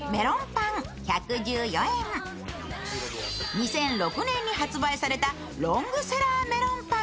２００６年に発売されたロングセラーメロンパン。